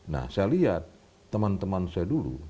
nah saya lihat teman teman saya dulu